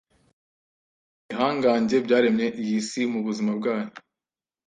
Ibihangange byaremye iyi si mubuzima bwayo